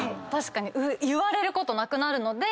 言われることなくなるので。